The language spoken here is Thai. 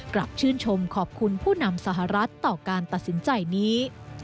กลับชื่นชมขอบคุณผู้นำสหรัฐต่อการตัดสินใจนี้